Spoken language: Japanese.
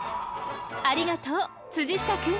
ありがとう！下くん！